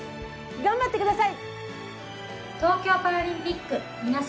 頑張ってください！